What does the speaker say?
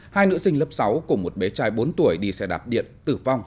hai nữ sinh lớp sáu cùng một bé trai bốn tuổi đi xe đạp điện tử vong